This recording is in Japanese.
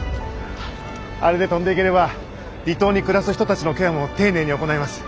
あれで飛んでいければ離島に暮らす人たちのケアも丁寧に行えます。